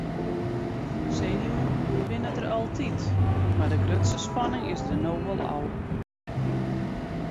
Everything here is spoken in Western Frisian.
Senuwen binne der altyd mar de grutste spanning is der no wol ôf.